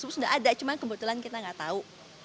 terus sudah ada cuma kebetulan kita tidak tahu